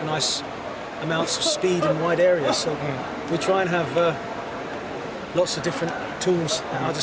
kami mencoba untuk memiliki banyak alat yang berbeda di tangan kami